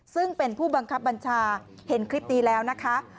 ซึ่งเป็นผู้บังคับบัญชาเห็นคลิปนี้แล้วนะคะ